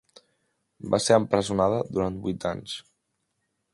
Va ser empresonada durant vuit anys.